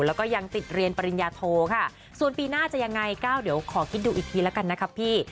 แล้วก็ยังติดเรียนปริญญาโทค่ะส่วนปีหน้าจะยังไงก้าวเดี๋ยวขอคิดดูอีกทีแล้วกันนะครับพี่